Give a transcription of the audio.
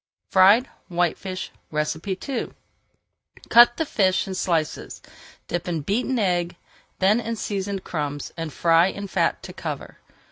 FRIED WHITEFISH II Cut the fish in slices, dip in beaten egg, then in seasoned crumbs, and fry in fat to cover.